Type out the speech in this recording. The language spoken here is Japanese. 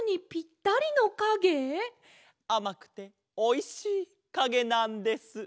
あまくておいしいかげなんです。